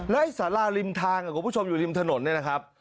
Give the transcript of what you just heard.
และสาราริมทางคุณผู้ชมอยู่ริมถนนเนี่ยนะครับ